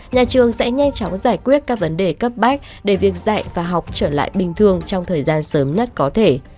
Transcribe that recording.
nhà trường sẽ nhanh chóng giải quyết các vấn đề cấp bách để việc dạy và học trở lại bình thường trong thời gian sớm nhất có thể